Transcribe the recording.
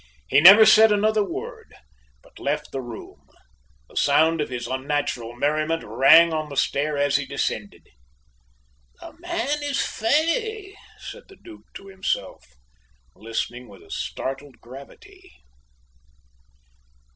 He never said another word, but left the room. The sound of his unnatural merriment rang on the stair as he descended. "The man is fey," said the Duke to himself, listening with a startled gravity.